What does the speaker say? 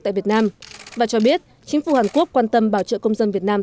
tại việt nam và cho biết chính phủ hàn quốc quan tâm bảo trợ công dân việt nam